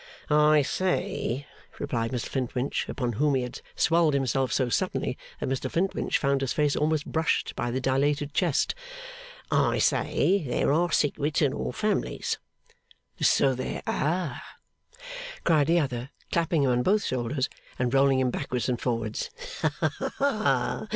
'I say,' replied Mr Flintwinch, upon whom he had swelled himself so suddenly that Mr Flintwinch found his face almost brushed by the dilated chest. 'I say there are secrets in all families.' 'So there are,' cried the other, clapping him on both shoulders, and rolling him backwards and forwards. 'Haha!